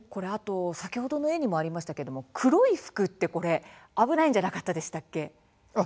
先ほどの絵にもありましたが黒い服は危ないんじゃなかったでしたっけ。